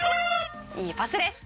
「いいパスです。